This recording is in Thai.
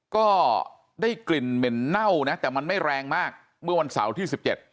ก็ได้กลิ่นเหม็นเน่านะแต่มันไม่แรงมากเมื่อวันเสาร์ที่สิบเจ็ด